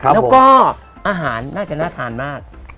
แล้วก็อาหารน่าจะน่าทานมาก